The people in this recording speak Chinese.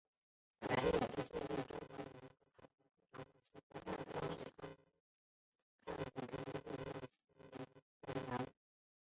本片也是现任中华人民共和国驻墨西哥大使曾钢看的第一部西班牙语电影。